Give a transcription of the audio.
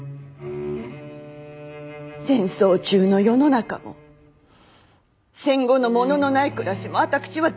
戦争中の世の中も戦後の物のない暮らしも私は大っ嫌い！